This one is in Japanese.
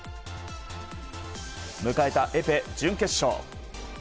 迎えたエペ準決勝。